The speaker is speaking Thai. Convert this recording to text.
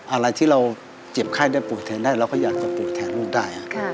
อะไรที่เราเจ็บไข้ได้ป่วยแทนได้เราก็อยากจะป่วยแทนลูกได้